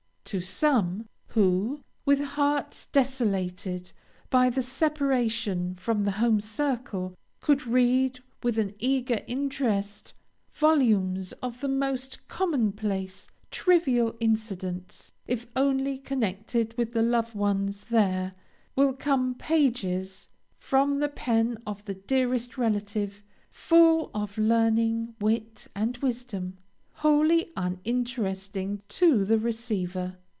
To some, who, with hearts desolated by the separation from the home circle, could read, with an eager interest, volumes of the most common place, trivial incidents, if only connected with the loved ones there, will come pages, from the pen of the dearest relative, full of learning, wit, and wisdom, wholly uninteresting to the receiver.